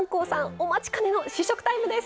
お待ちかねの試食タイムです！